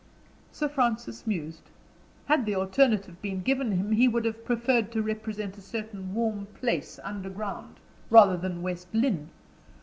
Sir Francis mused. Had the alternative been given him, he would have preferred to represent a certain warm place underground, rather than West Lynne.